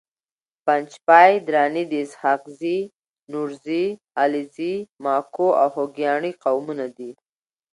پنجپاي دراني د اسحاقزي، نورزي، علیزي، ماکو او خوګیاڼي قومونو دي